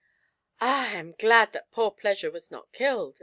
Ah, I am glad that poor Pleasure was not killed